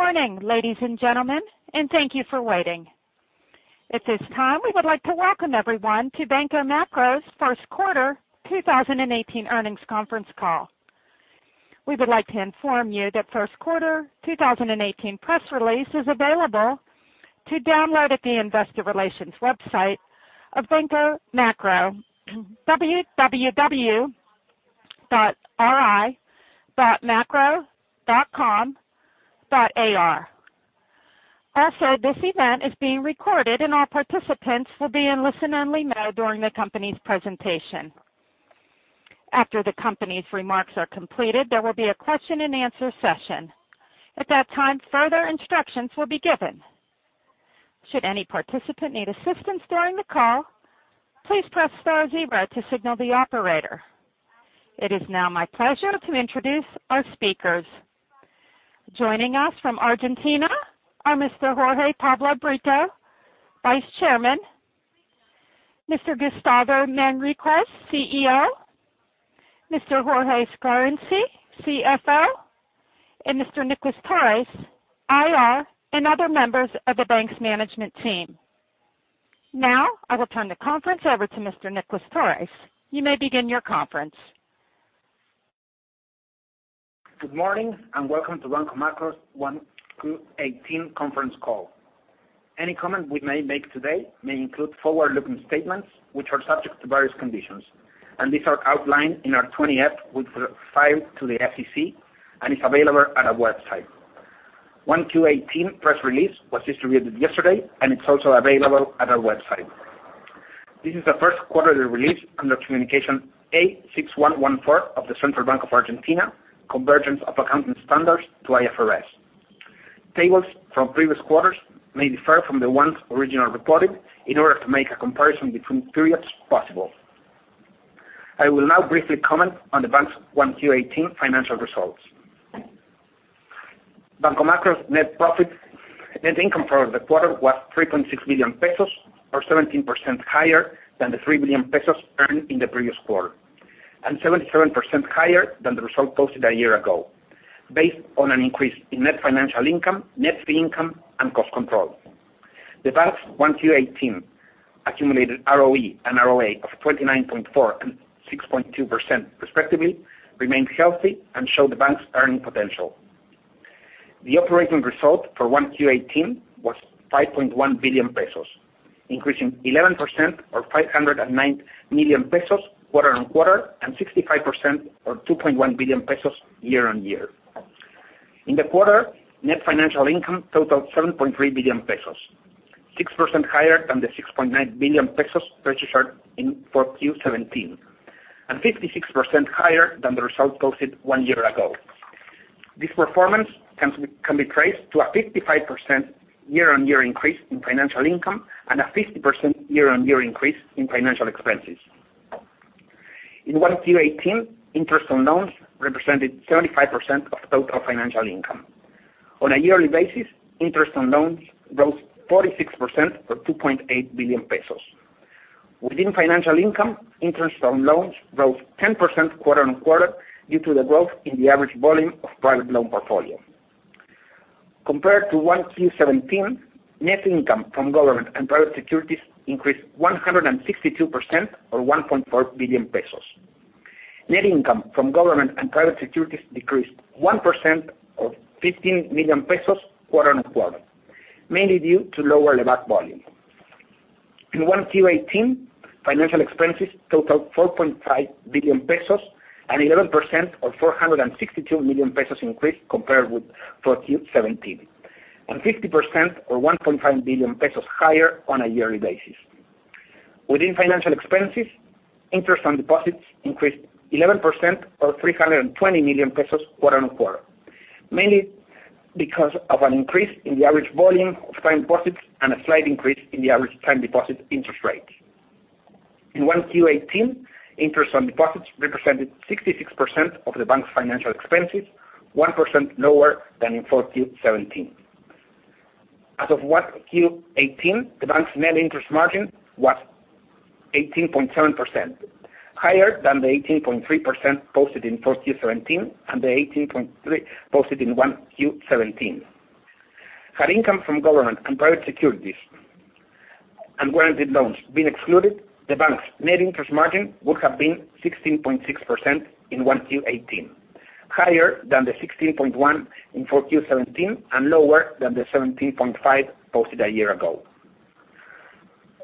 Good morning, ladies and gentlemen, and thank you for waiting. At this time, we would like to welcome everyone to Banco Macro's first quarter 2018 earnings conference call. We would like to inform you that first quarter 2018 press release is available to download at the investor relations website of Banco Macro, ri.macro.com.ar. This event is being recorded and all participants will be in listen-only mode during the company's presentation. After the company's remarks are completed, there will be a question and answer session. At that time, further instructions will be given. Should any participant need assistance during the call, please press star zero to signal the operator. It is now my pleasure to introduce our speakers. Joining us from Argentina are Mr. Jorge Pablo Brito, Vice Chairman, Mr. Gustavo Manriquez, CEO, Mr. Jorge Scarinci, CFO, and Mr. Nicolás Torres, IR, and other members of the bank's management team. I will turn the conference over to Mr. Nicolás Torres. You may begin your conference. Good morning. Welcome to Banco Macro's 1Q18 conference call. Any comment we may make today may include forward-looking statements which are subject to various conditions. These are outlined in our 20-F with the file to the SEC and is available at our website. 1Q18 press release was distributed yesterday and it's also available at our website. This is the first quarterly release under Communication A 6114 of the Central Bank of Argentina, convergence of accounting standards to IFRS. Tables from previous quarters may differ from the ones originally reported in order to make a comparison between periods possible. I will now briefly comment on the bank's 1Q18 financial results. Banco Macro's net income for the quarter was 3.6 billion pesos, or 17% higher than the 3 billion pesos earned in the previous quarter. 77% higher than the result posted a year ago, based on an increase in net financial income, net fee income, and cost control. The bank's 1Q18 accumulated ROE and ROA of 29.4% and 6.2%, respectively, remain healthy and show the bank's earning potential. The operating result for 1Q18 was 5.1 billion pesos, increasing 11% or 509 million pesos quarter-on-quarter and 65% or 2.1 billion pesos year-on-year. In the quarter, net financial income totaled 7.3 billion pesos, 6% higher than the 6.9 billion pesos registered in 4Q17. 56% higher than the result posted one year ago. This performance can be traced to a 55% year-on-year increase in financial income and a 50% year-on-year increase in financial expenses. In 1Q18, interest on loans represented 75% of total financial income. On a yearly basis, interest on loans rose 46%, or 2.8 billion pesos. Within financial income, interest on loans rose 10% quarter on quarter due to the growth in the average volume of private loan portfolio. Compared to 1Q17, net income from government and private securities increased 162%, or ARS 1.4 billion. Net income from government and private securities decreased 1%, or 15 million pesos, quarter on quarter, mainly due to lower Lebac volume. In 1Q18, financial expenses totaled 4.5 billion pesos, an 11%, or 462 million pesos, increase compared with 4Q17, and 50%, or 1.5 billion pesos, higher on a yearly basis. Within financial expenses, interest on deposits increased 11%, or 320 million pesos, quarter on quarter, mainly because of an increase in the average volume of time deposits and a slight increase in the average time deposit interest rate. In 1Q18, interest on deposits represented 66% of the bank's financial expenses, 1% lower than in 4Q17. As of 1Q18, the bank's net interest margin was 18.7%, higher than the 18.3% posted in 4Q17 and the 18.3% posted in 1Q17. Had income from government and private securities and warranted loans been excluded, the bank's net interest margin would have been 16.6% in 1Q18, higher than the 16.1% in 4Q17 and lower than the 17.5% posted a year ago.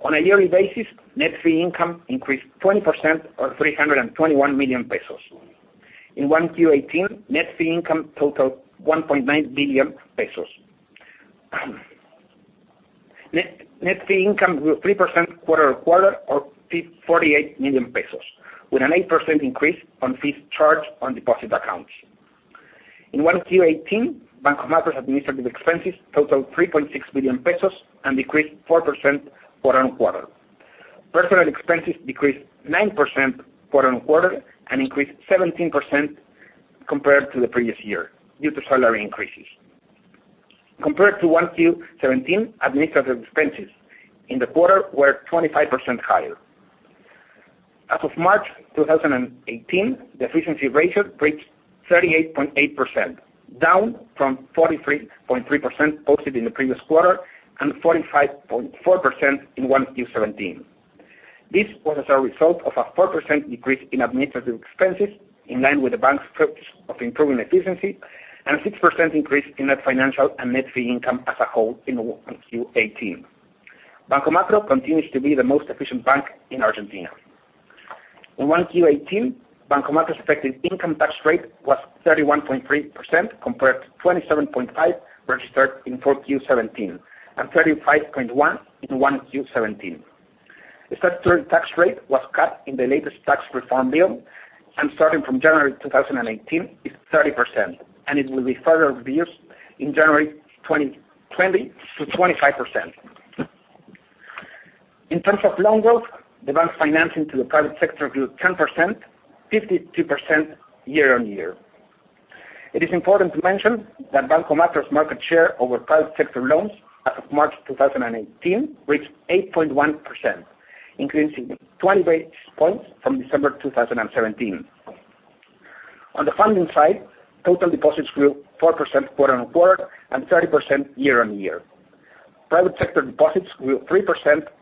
On a yearly basis, net fee income increased 20%, or 321 million pesos. In 1Q18, net fee income totaled 1.9 billion pesos. Net fee income grew 3% quarter on quarter, or 48 million pesos, with an 8% increase on fees charged on deposit accounts. In 1Q18, Banco Macro's administrative expenses totaled 3.6 billion pesos and decreased 4% quarter on quarter. Personnel expenses decreased 9% quarter on quarter and increased 17% compared to the previous year due to salary increases. Compared to 1Q17, administrative expenses in the quarter were 25% higher. As of March 2018, the efficiency ratio reached 38.8%, down from 43.3% posted in the previous quarter and 45.4% in 1Q17. This was as a result of a 4% decrease in administrative expenses, in line with the bank's focus of improving efficiency, and a 6% increase in net financial and net fee income as a whole in 1Q18. Banco Macro continues to be the most efficient bank in Argentina. In 1Q18, Banco Macro's effective income tax rate was 31.3%, compared to 27.5% registered in 4Q17 and 35.1% in 1Q17. The statutory tax rate was cut in the latest tax reform bill, and starting from January 2018, is 30%, and it will be further reduced in January 2020 to 25%. In terms of loan growth, the bank's financing to the private sector grew 10%, 52% year on year. It is important to mention that Banco Macro's market share over private sector loans as of March 2018 reached 8.1%, increasing 20 basis points from December 2017. On the funding side, total deposits grew 4% quarter on quarter and 30% year on year. Private sector deposits grew 3%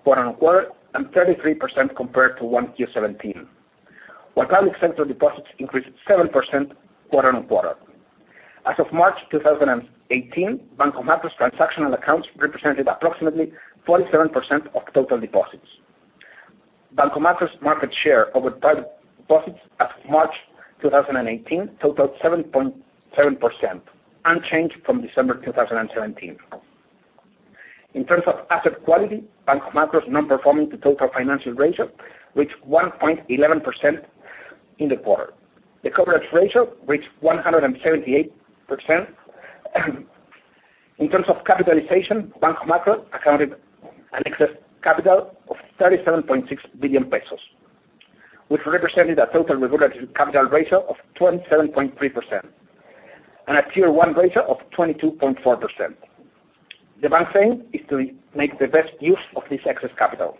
quarter on quarter and 33% compared to 1Q17, while public sector deposits increased 7% quarter on quarter. As of March 2018, Banco Macro's transactional accounts represented approximately 47% of total deposits. Banco Macro's market share over private deposits as of March 2018 totaled 7.7%, unchanged from December 2017. In terms of asset quality, Banco Macro's non-performing to total financial ratio reached 1.11% in the quarter. The coverage ratio reached 178%. In terms of capitalization, Banco Macro accounted an excess capital of 37.6 billion pesos, which represented a total regulatory capital ratio of 27.3%, and a Tier 1 ratio of 22.4%. The bank's aim is to make the best use of this excess capital.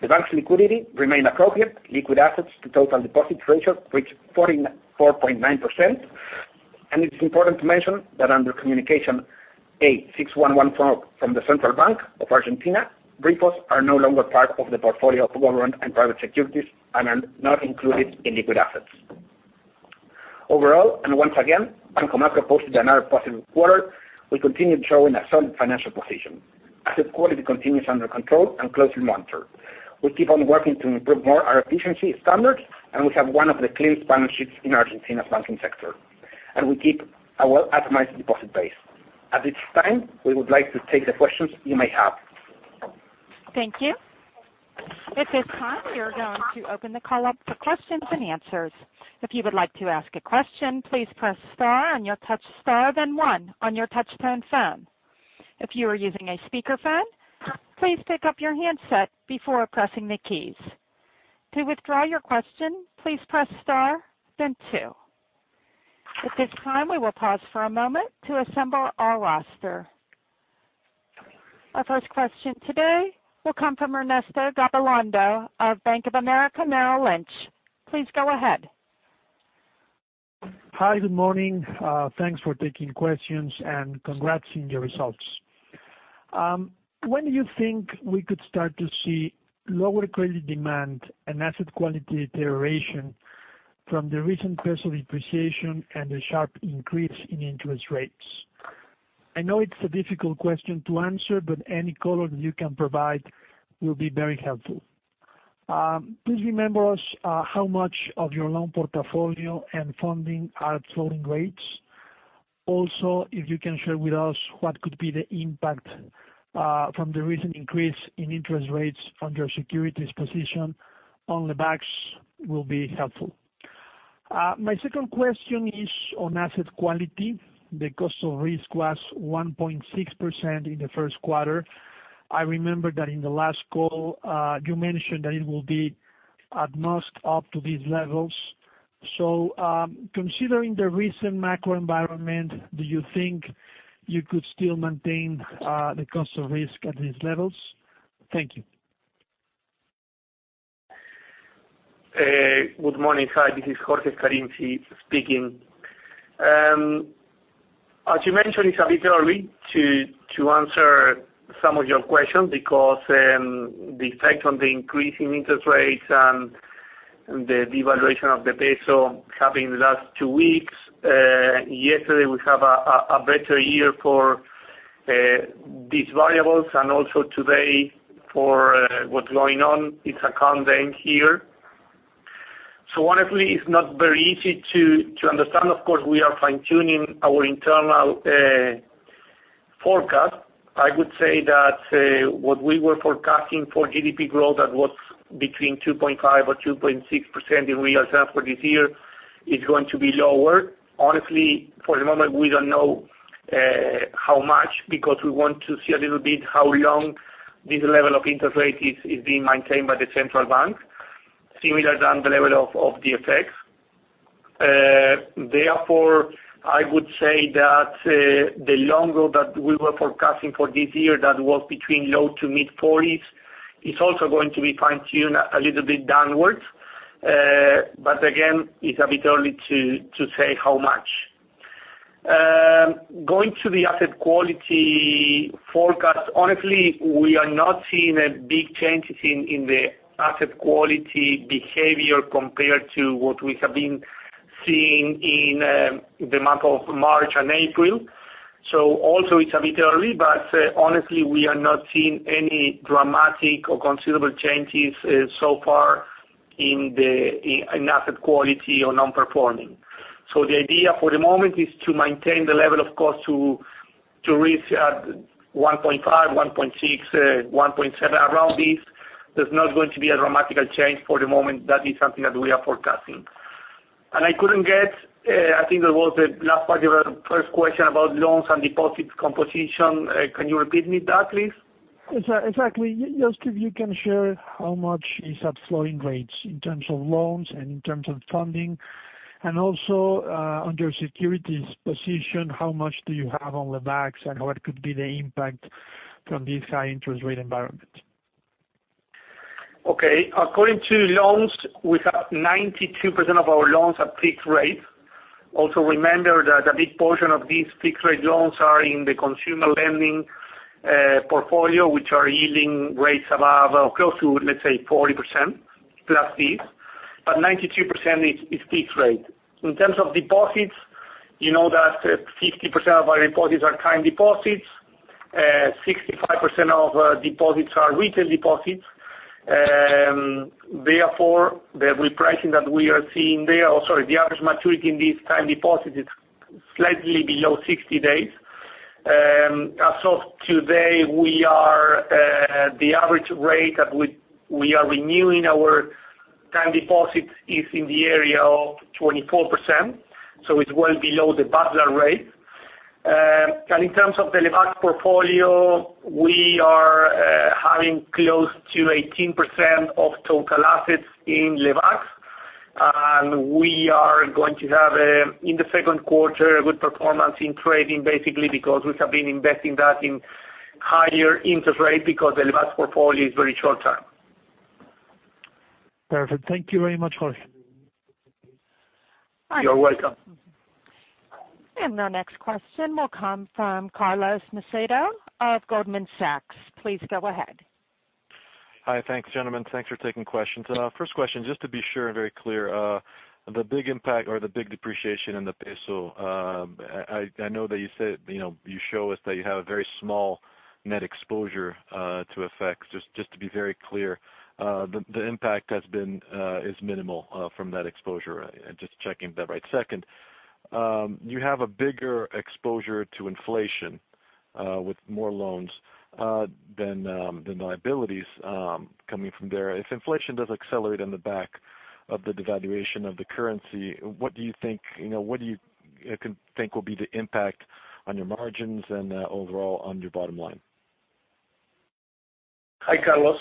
The bank's liquidity remained appropriate. Liquid assets to total deposits ratio reached 44.9%. It's important to mention that under Communication A 6114 from the Central Bank of Argentina, repos are no longer part of the portfolio of government and private securities and are not included in liquid assets. Overall, once again, Banco Macro posted another positive quarter. We continue showing a solid financial position. Asset quality continues under control and closely monitored. We keep on working to improve more our efficiency standards, and we have one of the cleanest balance sheets in Argentina's banking sector, and we keep a well-optimized deposit base. At this time, we would like to take the questions you may have. Thank you. At this time, we are going to open the call up for questions and answers. If you would like to ask a question, please press star then one on your touchtone phone. If you are using a speakerphone, please pick up your handset before pressing the keys. To withdraw your question, please press star then two. At this time, we will pause for a moment to assemble our roster. Our first question today will come from Ernesto Gabilondo of Bank of America Merrill Lynch. Please go ahead. Hi. Good morning. Thanks for taking questions, and congrats on your results. When do you think we could start to see lower credit demand and asset quality deterioration from the recent peso depreciation and the sharp increase in interest rates? I know it's a difficult question to answer, but any color that you can provide will be very helpful. Please remember us how much of your loan portfolio and funding are at floating rates. Also, if you can share with us what could be the impact from the recent increase in interest rates on your securities position on Lebacs will be helpful. My second question is on asset quality. The cost of risk was 1.6% in the first quarter. I remember that in the last call, you mentioned that it will be at most up to these levels. Considering the recent macro environment, do you think you could still maintain the cost of risk at these levels? Thank you. Good morning. Hi. This is Jorge Scarinci speaking. As you mentioned, it's a bit early to answer some of your questions because the effect on the increase in interest rates and the devaluation of the peso happened in the last two weeks. Yesterday, we have a better year for these variables and also today for what's going on. It's a calm day here. Honestly, it's not very easy to understand. Of course, we are fine-tuning our internal forecast. I would say that what we were forecasting for GDP growth, that was between 2.5% or 2.6% in real terms for this year, is going to be lower. Honestly, for the moment, we don't know how much, because we want to see a little bit how long this level of interest rate is being maintained by the central bank, similar than the level of the FX. I would say that the NIM that we were forecasting for this year that was between low to mid-40s, is also going to be fine-tuned a little bit downwards. Again, it's a bit early to say how much. Going to the asset quality forecast, honestly, we are not seeing big changes in the asset quality behavior compared to what we have been seeing in the month of March and April. Also it's a bit early, but honestly, we are not seeing any dramatic or considerable changes so far in asset quality or non-performing. The idea for the moment is to maintain the level of cost to risk at 1.5, 1.6, 1.7, around this. There's not going to be a dramatic change for the moment. That is something that we are forecasting. I couldn't get, I think that was the last part of your first question about loans and deposits composition. Can you repeat me that, please? Exactly. Just if you can share how much is at floating rates in terms of loans and in terms of funding, also, on your securities position, how much do you have on Lebacs and what could be the impact from this high interest rate environment? Okay. According to loans, we have 92% of our loans at fixed rate. Also remember that a big portion of these fixed rate loans are in the consumer lending portfolio, which are yielding rates above or close to, let's say, 40% plus fees. 92% is fixed rate. In terms of deposits, you know that 50% of our deposits are time deposits, 65% of deposits are retail deposits. The average maturity in these time deposits is slightly below 60 days. As of today, the average rate that we are renewing our time deposits is in the area of 24%, so it's well below the Badlar rate. In terms of the Lebacs portfolio, we are having close to 18% of total assets in Lebacs. We are going to have, in the second quarter, a good performance in trading, basically because we have been investing that in higher interest rate because the Lebacs portfolio is very short-term. Perfect. Thank you very much, Jorge. You're welcome. Our next question will come from Carlos Macedo of Goldman Sachs. Please go ahead. Hi. Thanks, gentlemen. Thanks for taking questions. First question, just to be sure and very clear, the big impact or the big depreciation in the peso, I know that you show us that you have a very small net exposure to FX. Just to be very clear, the impact is minimal from that exposure. Just checking that right second. You have a bigger exposure to inflation with more loans than the liabilities coming from there. If inflation does accelerate on the back of the devaluation of the currency, what do you think will be the impact on your margins and overall on your bottom line? Hi, Carlos.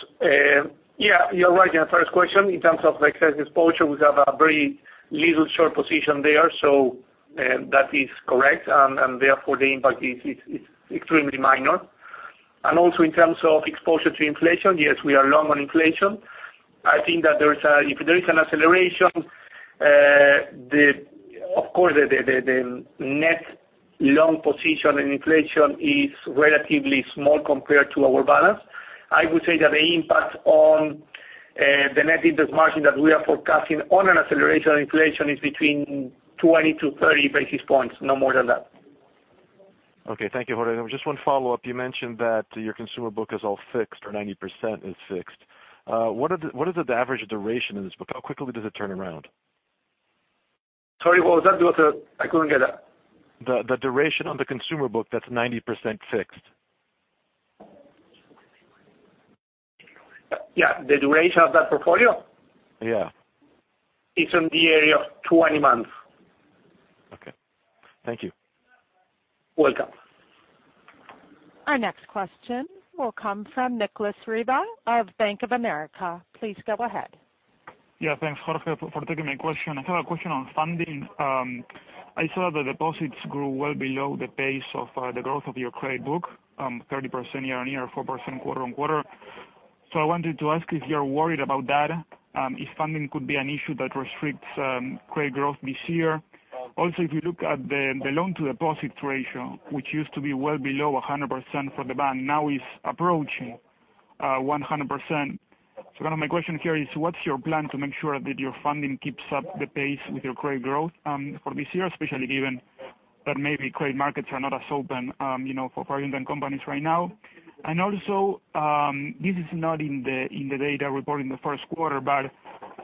Yeah, you're right. Yeah, first question, in terms of the excess exposure, we have a very little short position there. That is correct. Therefore, the impact is extremely minor. Also, in terms of exposure to inflation, yes, we are long on inflation. I think that if there is an acceleration, of course, the net long position in inflation is relatively small compared to our balance. I would say that the impact on the net interest margin that we are forecasting on an acceleration on inflation is between 20-30 basis points, no more than that. Okay. Thank you, Jorge. Just one follow-up. You mentioned that your consumer book is all fixed or 90% is fixed. What is the average duration in this book? How quickly does it turn around? Sorry, what was that? I couldn't get that. The duration on the consumer book that's 90% fixed. Yeah. The duration of that portfolio? Yeah. It's in the area of 20 months. Okay. Thank you. Welcome. Our next question will come from Nicolas Riva of Bank of America. Please go ahead. Yeah. Thanks, Jorge, for taking my question. I have a question on funding. I saw the deposits grew well below the pace of the growth of your credit book, 30% year-over-year, 4% quarter-over-quarter. I wanted to ask if you're worried about that, if funding could be an issue that restricts credit growth this year. Also, if you look at the loan-to-deposit ratio, which used to be well below 100% for the bank, now is approaching 100%. Kind of my question here is, what's your plan to make sure that your funding keeps up the pace with your credit growth for this year, especially given that maybe credit markets are not as open for foreign companies right now? Also, this is not in the data report in the first quarter, but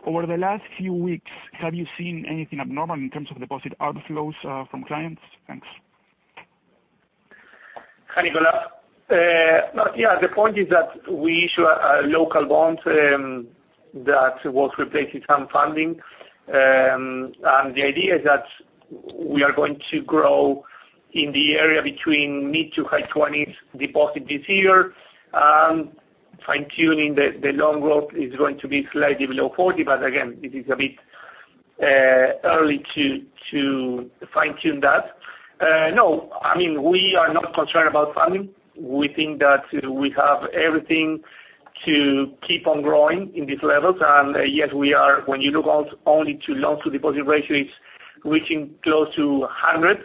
over the last few weeks, have you seen anything abnormal in terms of deposit outflows from clients? Thanks. Hi, Nicolas. Yeah, the point is that we issue a local bond that was replacing some funding. The idea is that we are going to grow in the area between mid to high 20s deposit this year. Fine-tuning the long growth is going to be slightly below 40, but again, this is a bit early to fine-tune that. We are not concerned about funding. We think that we have everything to keep on growing in these levels. Yes, when you look only at the loan-to-deposit ratio, it's reaching close to 100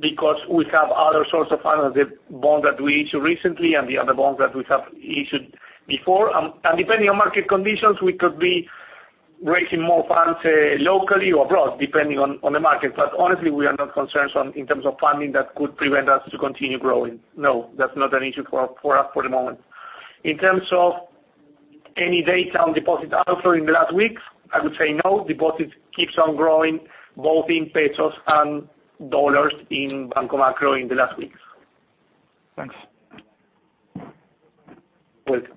because we have other sources of funds, the bond that we issued recently and the other bonds that we have issued before. Depending on market conditions, we could be raising more funds locally or abroad, depending on the market. Honestly, we are not concerned in terms of funding that could prevent us to continue growing. That's not an issue for us at the moment. In terms of any data on deposit outflow in the last weeks, I would say no. Deposits keep on growing both in pesos and dollars in Banco Macro in the last weeks. Thanks. Welcome.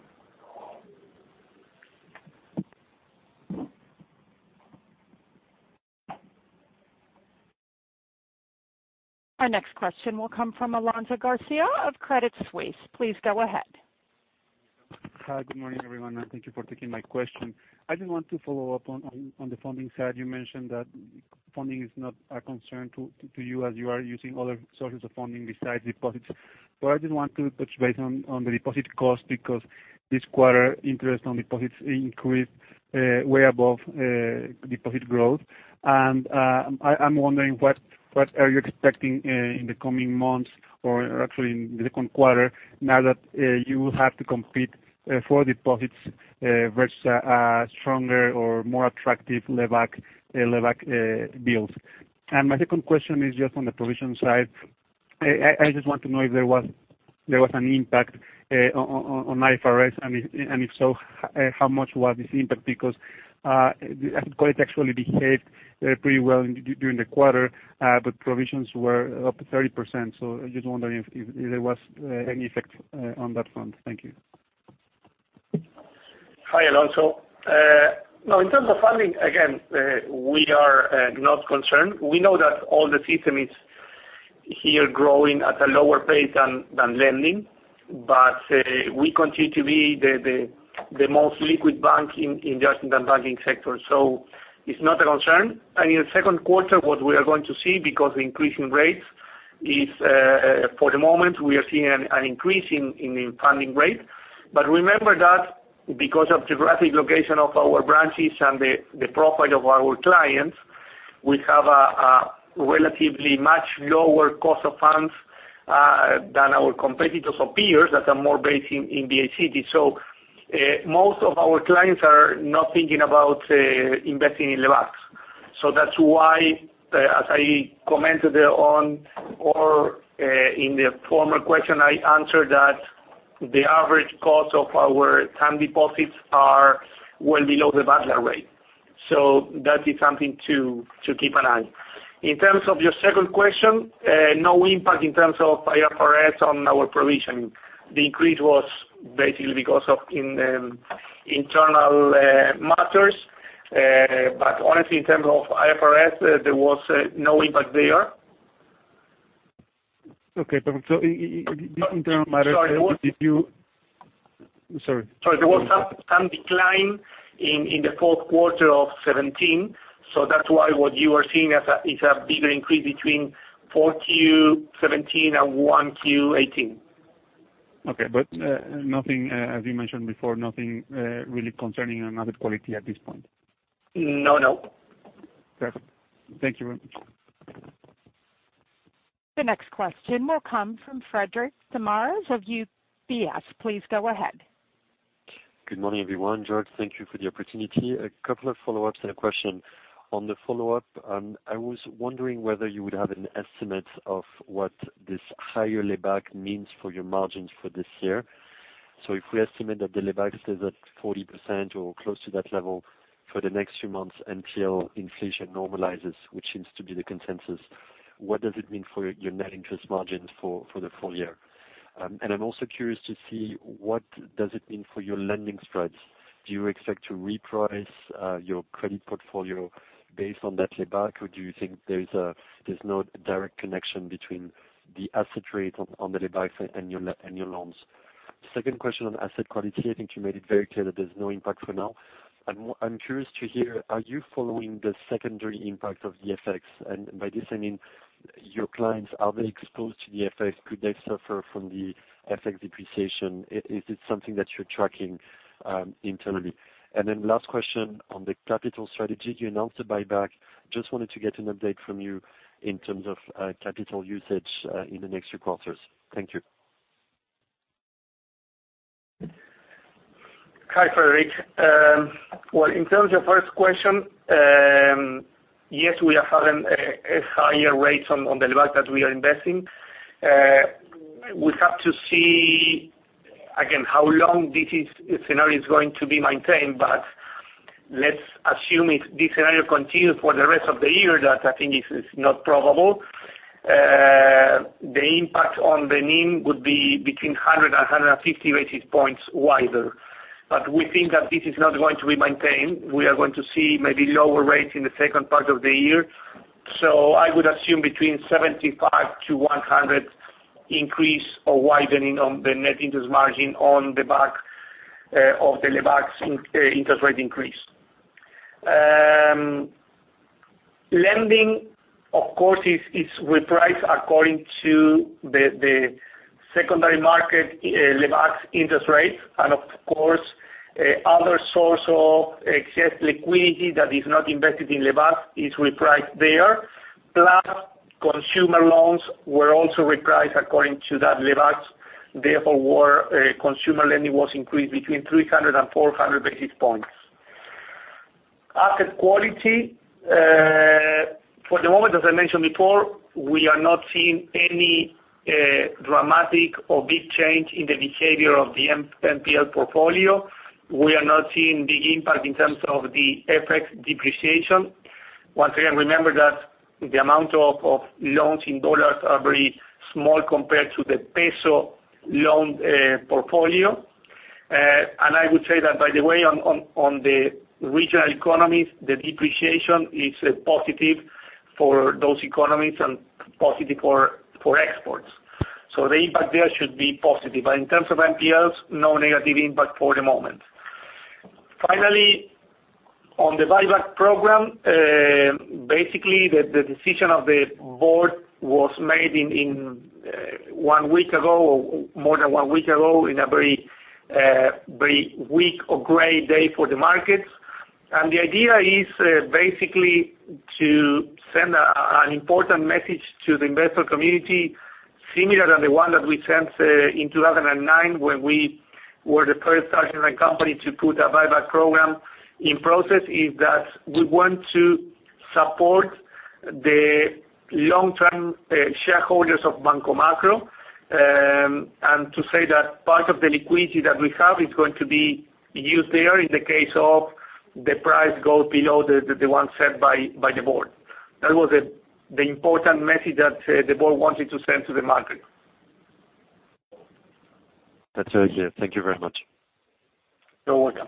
Our next question will come from Alonso Garcia of Credit Suisse. Please go ahead. Hi, good morning, everyone, and thank you for taking my question. I just want to follow up on the funding side. You mentioned that funding is not a concern to you as you are using other sources of funding besides deposits. I did want to touch base on the deposit cost, because this quarter, interest on deposits increased way above deposit growth. I'm wondering, what are you expecting in the coming months or actually in the second quarter now that you will have to compete for deposits versus stronger or more attractive Lebac bills? My second question is just on the provision side. I just want to know if there was an impact on IFRS, and if so, how much was this impact, because asset quality actually behaved pretty well during the quarter, but provisions were up 30%. I just wonder if there was any effect on that front. Thank you. Hi, Alonso. No, in terms of funding, again, we are not concerned. We know that all the system is here growing at a lower pace than lending, but we continue to be the most liquid bank in the Argentine banking sector, so it's not a concern. In the second quarter, what we are going to see because the increase in rates is, for the moment, we are seeing an increase in the funding rate. Remember that because of geographic location of our branches and the profile of our clients, we have a relatively much lower cost of funds than our competitors or peers that are more based in BA City. Most of our clients are not thinking about investing in Lebacs. That's why, as I commented on or in the former question, I answered that the average cost of our time deposits are well below the Badlar rate. That is something to keep an eye on. In terms of your second question, no impact in terms of IFRS on our provision. The increase was basically because of internal matters. Honestly, in terms of IFRS, there was no impact there. Okay, perfect. Sorry. Could you Sorry. Sorry, there was some decline in the fourth quarter of 2017, that's why what you are seeing is a bigger increase between 4Q 2017 and 1Q 2018. Okay, nothing, as you mentioned before, nothing really concerning on asset quality at this point. No. Perfect. Thank you very much. The next question will come from Frederic de Mariz of UBS. Please go ahead. Good morning, everyone. Jorge, thank you for the opportunity. A couple of follow-ups and a question. On the follow-up, I was wondering whether you would have an estimate of what this higher Lebac means for your margins for this year. If we estimate that the Lebac stays at 40% or close to that level for the next few months until inflation normalizes, which seems to be the consensus, what does it mean for your net interest margins for the full year? I'm also curious to see what does it mean for your lending spreads. Do you expect to reprice your credit portfolio based on that Lebac, or do you think there's no direct connection between the asset rate on the Lebac side and your loans? Second question on asset quality. I think you made it very clear that there's no impact for now. I'm curious to hear, are you following the secondary impact of the FX? By this I mean your clients, are they exposed to the FX? Could they suffer from the FX depreciation? Is it something that you're tracking internally? Last question on the capital strategy. You announced a buyback. Just wanted to get an update from you in terms of capital usage in the next few quarters. Thank you. Hi, Frederic. In terms of first question, yes, we are having a higher rate on the Lebac that we are investing. We have to see, again, how long this scenario is going to be maintained, but let's assume this scenario continues for the rest of the year, that I think is not probable. The impact on the NIM would be between 100 and 150 basis points wider. We think that this is not going to be maintained. We are going to see maybe lower rates in the second part of the year. I would assume between 75 to 100 increase or widening on the net interest margin on the back of the Lebac's interest rate increase. Lending, of course, is repriced according to the secondary market Lebac's interest rate, and of course, other source of excess liquidity that is not invested in Lebac is repriced there. Plus, consumer loans were also repriced according to that Lebac, therefore, consumer lending was increased between 300 and 400 basis points. Asset quality, for the moment, as I mentioned before, we are not seeing any dramatic or big change in the behavior of the NPL portfolio. We are not seeing big impact in terms of the FX depreciation. Once again, remember that the amount of loans in USD are very small compared to the peso loan portfolio. I would say that, by the way, on the regional economies, the depreciation is positive for those economies and positive for exports. The impact there should be positive, but in terms of NPLs, no negative impact for the moment. Finally, on the buyback program, basically, the decision of the board was made more than one week ago in a very weak or gray day for the markets. The idea is basically to send an important message to the investor community, similar than the one that we sent in 2009, when we were the first Argentine company to put a buyback program in process, is that we want to support the long-term shareholders of Banco Macro, and to say that part of the liquidity that we have is going to be used there in the case of the price goes below the one set by the board. That was the important message that the board wanted to send to the market. That's very clear. Thank you very much. You're welcome.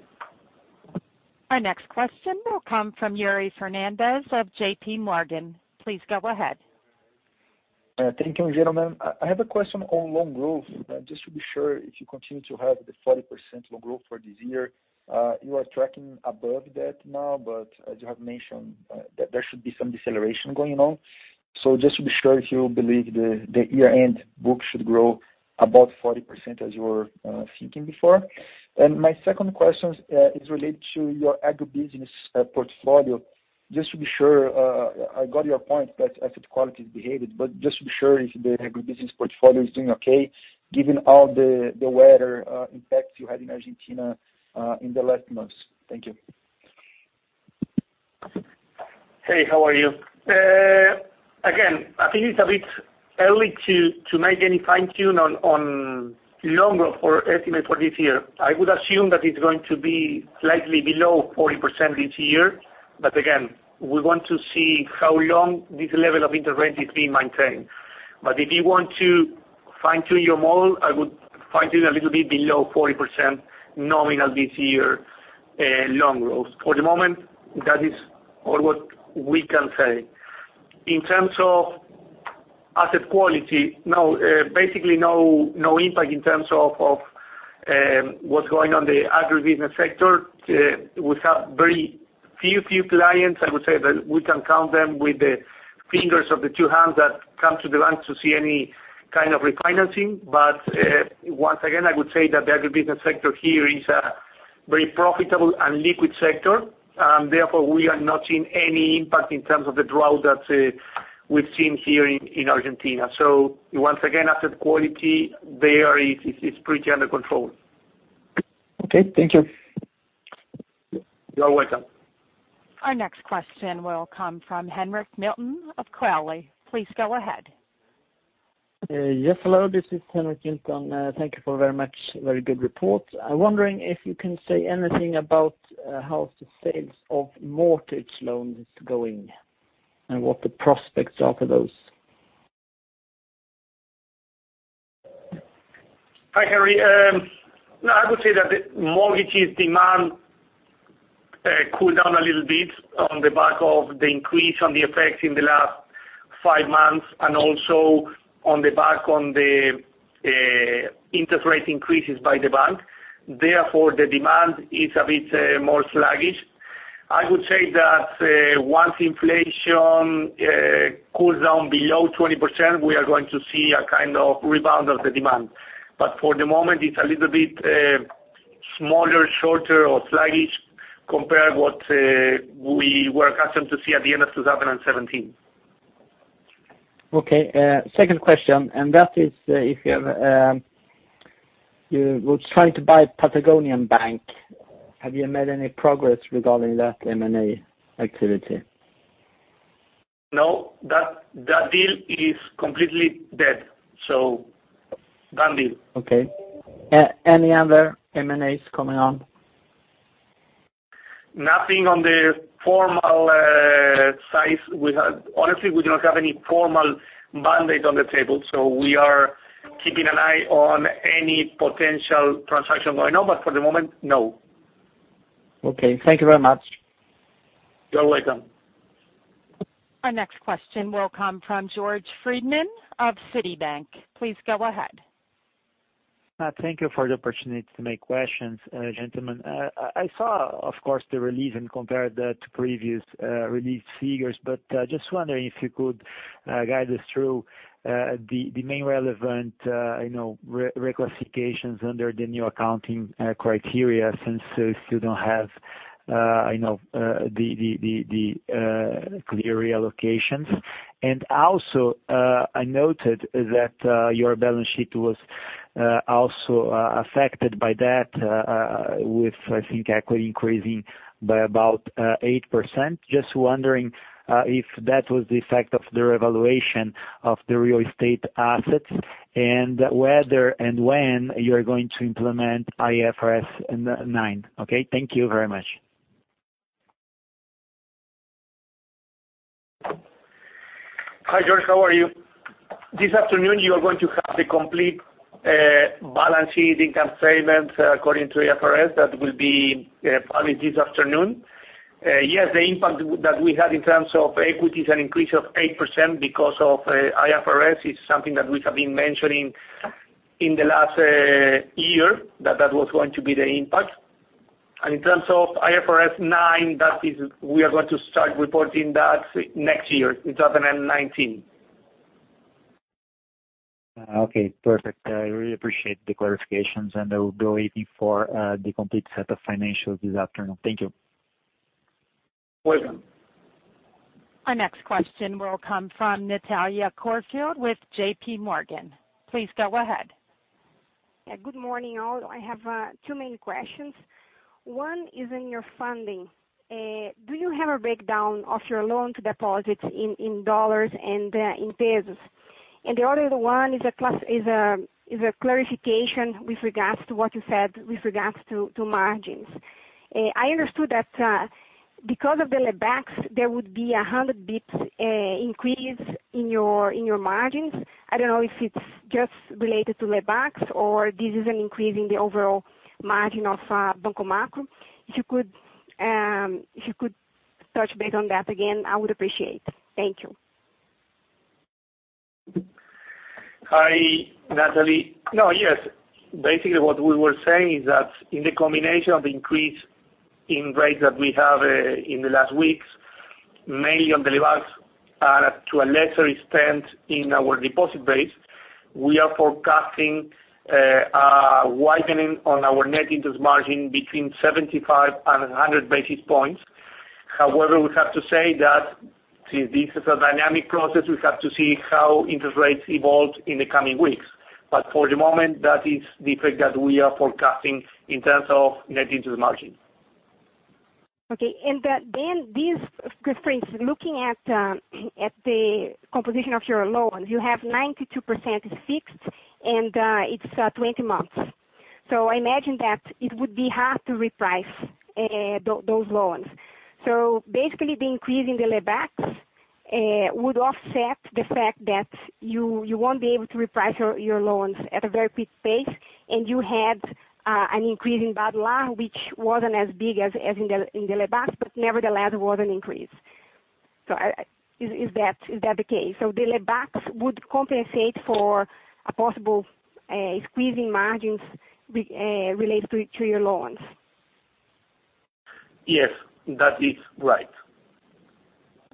Our next question will come from Yuri Fernandes of J.P. Morgan. Please go ahead. Thank you, gentlemen. I have a question on loan growth. Just to be sure, if you continue to have the 40% loan growth for this year, you are tracking above that now, but as you have mentioned, that there should be some deceleration going on. Just to be sure, if you believe the year-end books should grow above 40% as you were thinking before. My second question is related to your agribusiness portfolio. Just to be sure, I got your point that asset quality behaved, but just to be sure if the agribusiness portfolio is doing okay, given all the weather impact you had in Argentina in the last months. Thank you. Hey, how are you? I think it's a bit early to make any fine-tune on loan growth or estimate for this year. I would assume that it's going to be slightly below 40% this year. We want to see how long this level of interest rate is being maintained. If you want to fine-tune your model, I would fine-tune a little bit below 40% nominal this year, loan growth. For the moment, that is all what we can say. In terms of asset quality, basically no impact in terms of what's going on the agribusiness sector. We have very few clients, I would say that we can count them with the fingers of the two hands that come to the bank to see any kind of refinancing. I would say that the agribusiness sector here is a very profitable and liquid sector, and therefore, we are not seeing any impact in terms of the drought that we've seen here in Argentina. Asset quality there is pretty under control. Okay, thank you. You are welcome. Our next question will come from Henrik Milton of Coeli. Please go ahead. Yes, hello, this is Henrik Milton. Thank you for very much, very good report. I'm wondering if you can say anything about how the sales of mortgage loans is going and what the prospects are for those. Hi, Henrik. I would say that the mortgages demand cooled down a little bit on the back of the increase on the FX in the last five months, and also on the back of the interest rate increases by the bank. Therefore, the demand is a bit more sluggish. I would say that once inflation cools down below 20%, we are going to see a kind of rebound of the demand. For the moment, it's a little bit smaller, shorter or sluggish compared what we were accustomed to see at the end of 2017. Okay, second question, and that is if you were trying to buy Banco Patagonia, have you made any progress regarding that M&A activity? No, that deal is completely dead. Done deal. Okay. Any other M&As coming on? Nothing on the formal side. Honestly, we do not have any formal mandate on the table, so we are keeping an eye on any potential transaction going on. For the moment, no. Okay. Thank you very much. You're welcome. Our next question will come from Jörg Friedemann of Citibank. Please go ahead. Thank you for the opportunity to make questions, gentlemen. I saw, of course, the release and compared that to previous release figures, but just wondering if you could guide us through the main relevant reclassifications under the new accounting criteria since you still don't have the clear reallocations. Also, I noted that your balance sheet was also affected by that with, I think, equity increasing by about 8%. Just wondering if that was the effect of the revaluation of the real estate assets and whether and when you are going to implement IFRS 9. Thank you very much. Hi, George. How are you? This afternoon, you are going to have the complete balance sheet income statement according to IFRS that will be filed this afternoon. Yes, the impact that we had in terms of equity is an increase of 8% because of IFRS is something that we have been mentioning in the last year that that was going to be the impact. In terms of IFRS 9, we are going to start reporting that next year in 2019. Okay, perfect. I really appreciate the clarifications, and I will be waiting for the complete set of financials this afternoon. Thank you. Welcome. Our next question will come from Natalia Corfield with J.P. Morgan. Please go ahead. Yeah. Good morning, all. I have two main questions. One is in your funding. Do you have a breakdown of your loans deposits in dollars and in pesos? The other one is a clarification with regards to what you said with regards to margins. I understood that because of the Lebacs, there would be 100 basis points increase in your margins. I don't know if it's just related to Lebacs or this is an increase in the overall margin of Banco Macro. If you could touch base on that again, I would appreciate it. Thank you. Hi, Natalia. Yes, basically what we were saying is that in the combination of the increase in rates that we have in the last weeks, mainly on the Lebacs, and to a lesser extent in our deposit base, we are forecasting a widening on our net interest margin between 75 and 100 basis points. However, we have to say that since this is a dynamic process, we have to see how interest rates evolve in the coming weeks. For the moment, that is the effect that we are forecasting in terms of net interest margin. Okay. This reference, looking at the composition of your loans, you have 92% fixed, and it's 20 months. I imagine that it would be hard to reprice those loans. Basically, the increase in the Lebacs would offset the fact that you won't be able to reprice your loans at a very quick pace, and you had an increase in Badlar, which wasn't as big as in the Lebacs, but nevertheless, it was an increase. Is that the case? The Lebacs would compensate for a possible squeeze in margins related to your loans. Yes, that is right.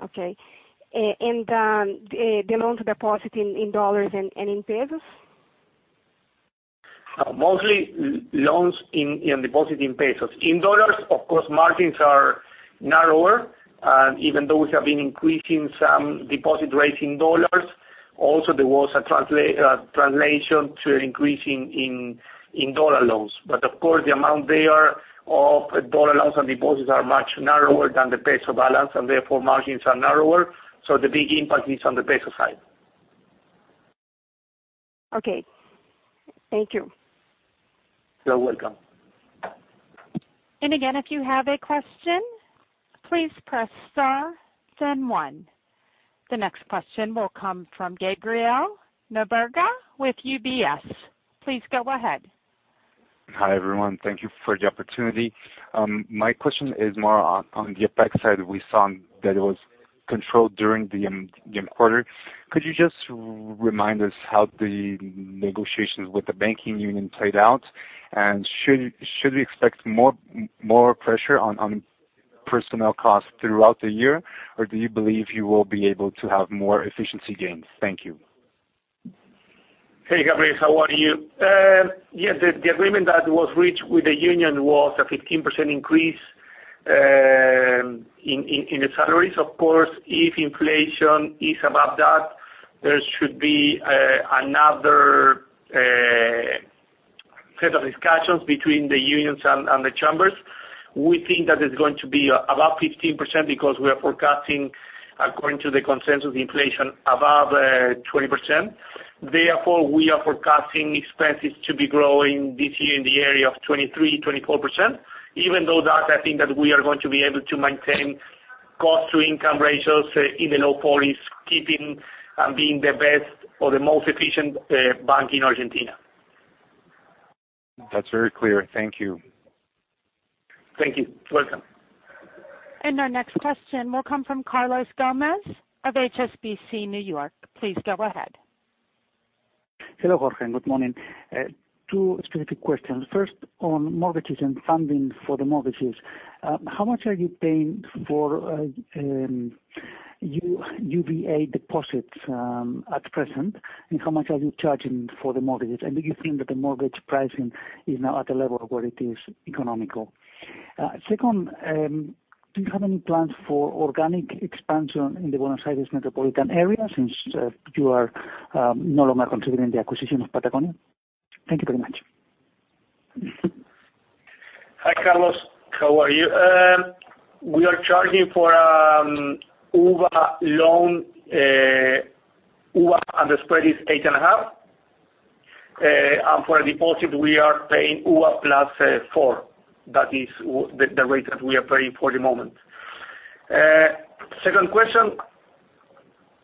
Okay. The loans deposit in dollars and in pesos? Mostly loans and deposit in pesos. In dollars, of course, margins are narrower. Even though we have been increasing some deposit rates in dollars, also there was a translation to an increase in dollar loans. Of course, the amount there of dollar loans and deposits are much narrower than the peso balance, and therefore margins are narrower. The big impact is on the peso side. Okay. Thank you. You're welcome. Again, if you have a question, please press star then one. The next question will come from Gabriel Nóbrega with UBS. Please go ahead. Hi, everyone. Thank you for the opportunity. My question is more on the effect side. We saw that it was controlled during the quarter. Could you just remind us how the negotiations with the banking union played out? Should we expect more pressure on personnel costs throughout the year, or do you believe you will be able to have more efficiency gains? Thank you. Hey, Gabriel. How are you? Yes, the agreement that was reached with the union was a 15% increase in the salaries. Of course, if inflation is above that, there should be another set of discussions between the unions and the chambers. We think that it's going to be above 15% because we are forecasting, according to the consensus, inflation above 20%. Therefore, we are forecasting expenses to be growing this year in the area of 23%, 24%, even though that, I think that we are going to be able to maintain cost-to-income ratios in the low 40s, keeping and being the best or the most efficient bank in Argentina. That's very clear. Thank you. Thank you. Welcome. Our next question will come from Carlos Gomez-Lopez of HSBC Bank USA. Please go ahead. Hello, Jorge. Good morning. Two specific questions. First, on mortgages and funding for the mortgages, how much are you paying for UVA deposits at present, and how much are you charging for the mortgages? Do you think that the mortgage pricing is now at a level where it is economical? Second, do you have any plans for organic expansion in the Buenos Aires metropolitan area since you are no longer considering the acquisition of Banco Patagonia? Thank you very much. Hi, Carlos. How are you? We are charging for UVA loan, UVA, and the spread is eight and a half. For a deposit, we are paying UVA plus four. That is the rate that we are paying for the moment. Second question,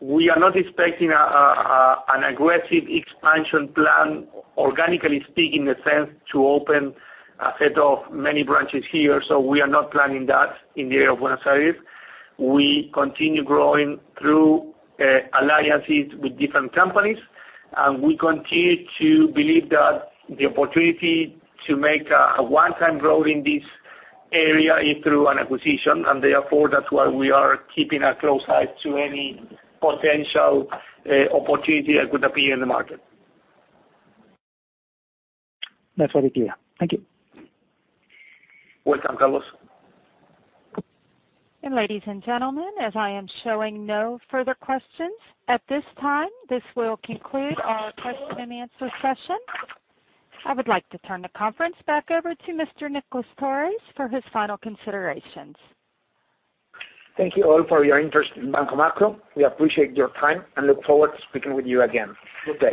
we are not expecting an aggressive expansion plan, organically speaking, in a sense, to open a set of many branches here. We are not planning that in the area of Buenos Aires. We continue growing through alliances with different companies, and we continue to believe that the opportunity to make a one-time growth in this area is through an acquisition, and therefore, that's why we are keeping a close eye to any potential opportunity that could appear in the market. That's very clear. Thank you. Welcome, Carlos. Ladies and gentlemen, as I am showing no further questions, at this time, this will conclude our question-and-answer session. I would like to turn the conference back over to Mr. Nicolás Torres for his final considerations. Thank you all for your interest in Banco Macro. We appreciate your time and look forward to speaking with you again. Good day.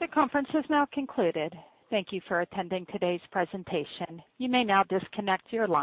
The conference is now concluded. Thank you for attending today's presentation. You may now disconnect your line.